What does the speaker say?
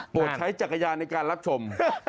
ใช้จักรยานในการรับชม